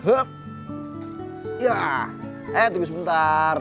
eh tunggu sebentar